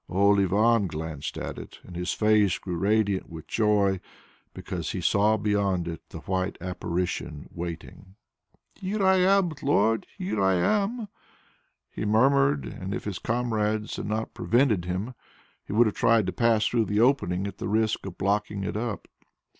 Old Ivan glanced at it and his face grew radiant with joy, because he saw beyond it the white Apparition waiting. "Here I am, Lord, here I am!" he murmured, and if his comrades had not prevented him, he would have tried to pass through the opening at the risk of blocking it up.